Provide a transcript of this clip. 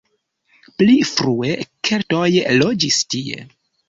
Pli frue keltoj loĝis tie.